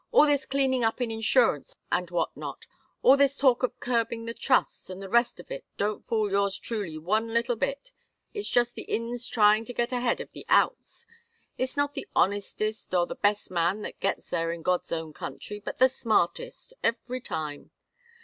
"All this cleaning up in insurance and what not, all this talk of curbing the trusts and the rest of it don't fool yours truly one little bit. It's just the ins trying to get ahead of the outs. It's not the honestest or the best man that gets there in God's own country, but the smartest every time.